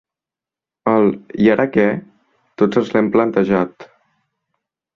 El ‘i ara què?’ tots ens l’hem plantejat.